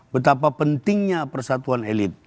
betapa pentingnya persatuan elit